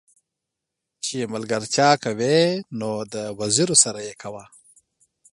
چې ملګرتيا کې نه وزيرو سره يې کاوه.